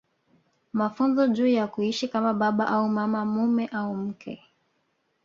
Mafunzo juu ya kuishi kama baba au mama mume au mke